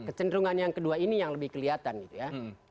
kecenderungan yang kedua ini yang lebih kelihatan gitu ya